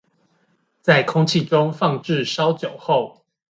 在空氣中放置稍久後